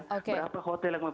berapa hotel yang mau phk